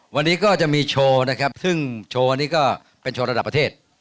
วันนี้ก็จะมีโชว์นะครับซึ่งโชว์นี้ก็เป็นโชว์ระดับประเทศ